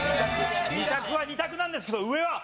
２択は２択なんですけど上は。